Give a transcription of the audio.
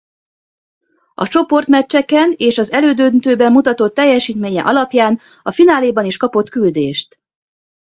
A csoportmeccseken és az elődöntőben mutatott teljesítménye alapján a fináléban is kapott küldést.